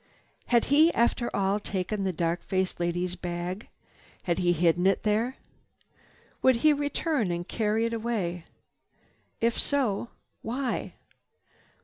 Had he, after all, taken the dark faced lady's bag? Had he hidden it there? Would he return and carry it away? If so, why?